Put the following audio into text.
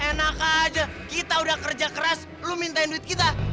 enak aja kita udah kerja keras lu mintain duit kita